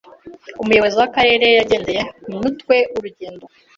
Umuyobozi w'akarere yagendeye ku mutwe w'urugendo.